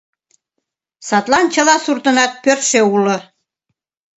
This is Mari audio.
Садлан чыла суртынат пӧртшӧ уло.